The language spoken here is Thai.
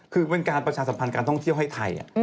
คือเป็นการประชาสัมพันธ์การท่องเที่ยวให้ไทย